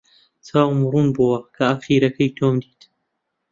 چاوم ڕوون بووەوە کە ئاخرەکەی تۆم دیت.